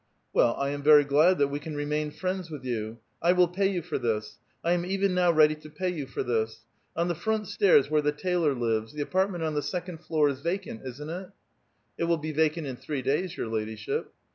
" Well, I am very glad that we can remain friends with you. I will pay you for this. I am even now ready to pay you for this. On the front stairs, where the tailor lives, the apartment on the second floor is vacant, isn't it? """ It will be vacant in three days, your ladyship."